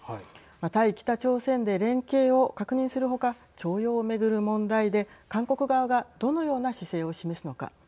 対北朝鮮で連携を確認する他徴用を巡る問題で韓国側がどのような姿勢を示すのか。